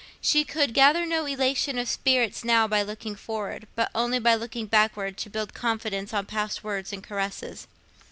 She could gather no elation of spirits now by looking forward, but only by looking backward to build confidence on past words and caresses.